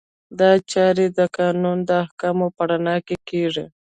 دا چارې د قانون د احکامو په رڼا کې کیږي.